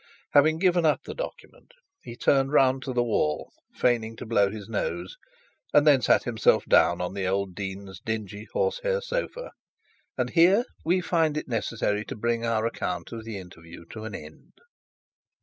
Having given up the document, he turned round to the wall, feigning to blow his nose, and then sat himself down on the old dean's dingy horse hair sofa. And here we find it necessary to bring our account of the interview to an end.